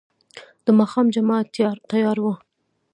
د ماښام جماعت تيار و.